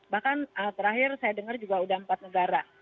bahkan terakhir saya dengar juga sudah empat negara